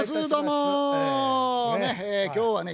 今日はね